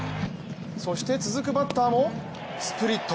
そして続くバッターもスプリット。